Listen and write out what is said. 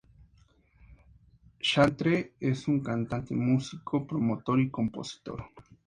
Chantre es un cantante, músico, promotor y compositor.